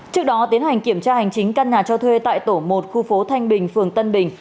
trước đó tiến hành kiểm tra hành chính căn nhà cho thuê tại tổ một khu phố thanh bình phường tân bình